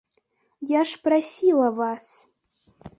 Я ж прасіла вас.